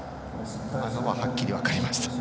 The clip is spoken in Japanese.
はっきり分かりましたね。